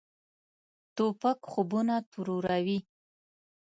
توپک خوبونه تروروي.